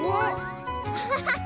ハハハハ！